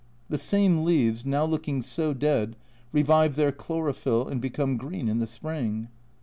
The same leaves, now looking so dead, revive their chlorophyll, and become green in the spring.